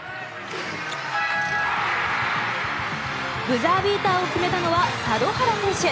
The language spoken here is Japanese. ブザービーターを決めたのは佐土原選手。